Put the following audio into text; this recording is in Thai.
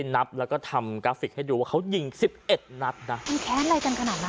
นับแล้วก็ทำกราฟิกให้ดูว่าเขายิงสิบเอ็ดนัดนะมันแค้นอะไรกันขนาดนั้น